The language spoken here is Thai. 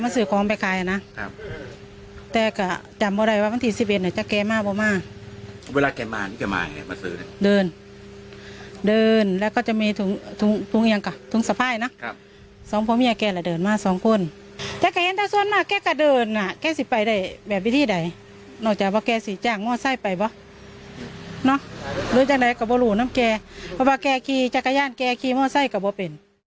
สองผู้หญิงแกละเดินมาสองคน